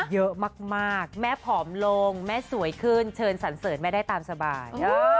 เยอะมากแม่ผอมลงแม่สวยขึ้นเชิญสรรเสริญแม่ได้ตามสบาย